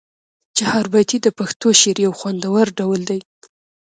چهاربیتې د پښتو شعر یو خوندور ډول دی.